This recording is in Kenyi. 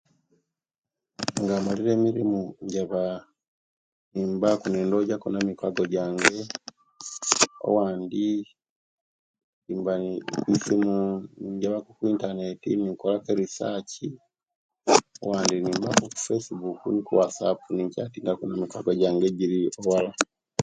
Nga imalire emirimo njjaba kunyumyaku ne mikwaago jjange owandi mba neisimu ninyabaku oku'ntaneti nikolaku erisachi owandi nibaku okufesi buku okuwatisaapu nikyatingaku nabo